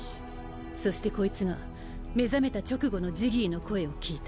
そしてこいつが目覚めた直後のジギーの声を聞いた。